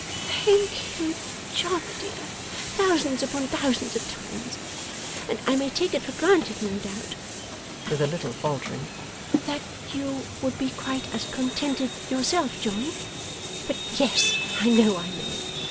'Thank you, John dear, thousands upon thousands of times. And I may take it for granted, no doubt,' with a little faltering, 'that you would be quite as contented yourself John? But, yes, I know I may.